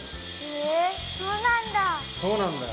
へえそうなんだ！